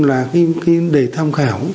là cái đề tham khảo